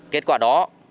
kết quả đó